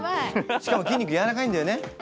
しかも筋肉やわらかいんだよね。